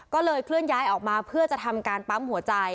ก็เลยเคลื่อนย้ายออกมาเพื่อจะทำการปั๊มหัวใจ